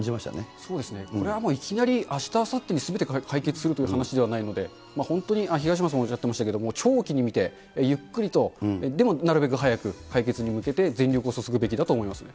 これはもういきなり、あした、あさってすべて解決するという話ではないので、本当に東山さんもおっしゃっていましたけれども、長期に見て、ゆっくりと、でもなるべく早く、解決に向けて全力を注ぐべきだと思いますね。